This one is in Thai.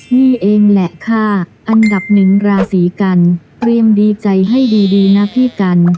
นี่เองแหละค่ะอันดับหนึ่งราศีกันเตรียมดีใจให้ดีนะพี่กัน